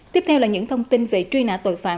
tiếp theo là những thông tin về truy nã tội phạm